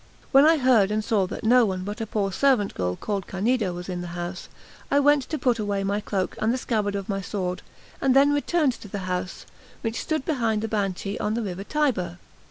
When I heard and saw that no one but a poor servant girl called Canida was in the house, I went to put away my cloak and the scabbard of my sword, and then returned to the house, which stood behind the Banchi on the river Tiber.